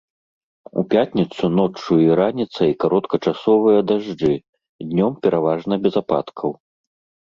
У пятніцу ноччу і раніцай кароткачасовыя дажджы, днём пераважна без ападкаў.